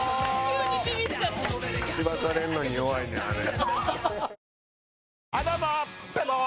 しばかれんのに弱いねんあれ。